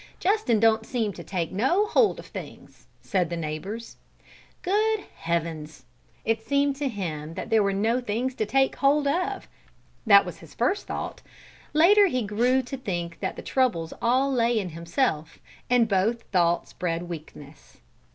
"Justin don't seem to take no holt of things," said the neighbours. "Good Heavens!" It seemed to him that there were no things to take hold of! That was his first thought; later he grew to think that the trouble all lay in himself, and both thoughts bred weakness.